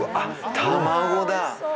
卵だ！